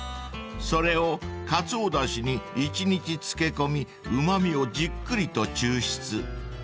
［それをかつおだしに一日漬け込みうま味をじっくりと抽出］